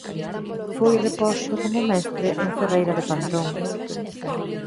Foi reposto como mestre en Ferreira de Pantón.